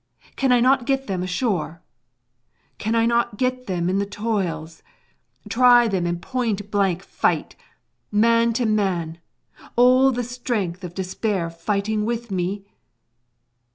Can I not get them ashore? Can I not get them in the toils? try them in point blank fight, man to man, all the strength of despair fighting with me?